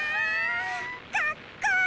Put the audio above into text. かっこいい！